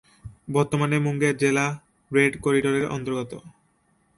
বর্তমানে মুঙ্গের জেলা রেড করিডোরের অন্তর্গত।